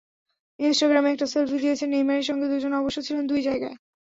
ইনস্টাগ্রামে একটা সেলফি দিয়েছেন নেইমারের সঙ্গে, দুজন অবশ্য ছিলেন দুই জায়গায়।